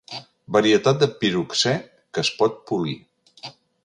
Varietat de piroxè que es pot polir.